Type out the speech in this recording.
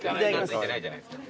懐いてないじゃないですか。